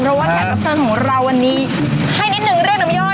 เพราะว่าแขกรับเชิญของเราวันนี้ให้นิดนึงเรียกน้ำย่อย